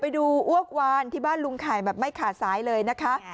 ไปดูอวกวานที่บ้านลุงขายไม่ขาดสายเลยนะคะ